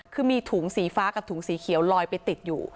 คือมีถุงสีฟ้ากับถุงสีเขียวลอยไปติดอยู่